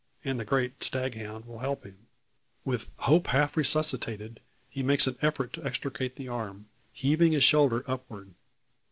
And the great stag hound will help him. With hope half resuscitated, he makes an effort to extricate the arm, heaving his shoulder upward.